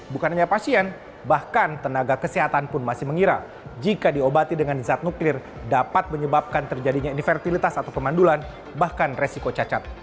bukan hanya pasien bahkan tenaga kesehatan pun masih mengira jika diobati dengan zat nuklir dapat menyebabkan terjadinya infertilitas atau pemandulan bahkan resiko cacat